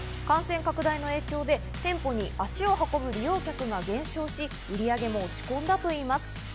感染拡大の影響で店舗に足を運ぶ利用客が減少し、売上も落ち込んだといいます。